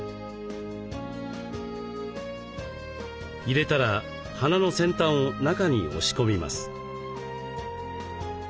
入れたら花の先端を中に押し込みます。